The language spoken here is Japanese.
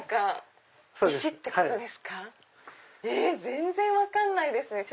全然分かんないですね